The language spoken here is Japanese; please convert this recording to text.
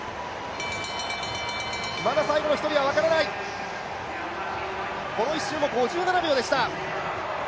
まだ最後の１人は分からない、この１周も５７秒でした。